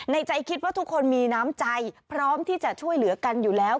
ใจคิดว่าทุกคนมีน้ำใจพร้อมที่จะช่วยเหลือกันอยู่แล้ว